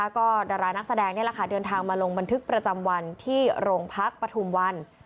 ก็ดารานักแสดงนี่แหละค่ะเดินทางมาลงบันทึกประจำวันที่โรงพักปฐุมวัน